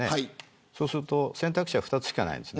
そうすると選択肢は２つしかないです。